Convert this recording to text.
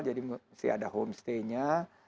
jadi mesti ada homestay nya